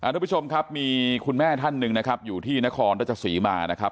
ทุกผู้ชมครับมีคุณแม่ท่านหนึ่งนะครับอยู่ที่นครรัชศรีมานะครับ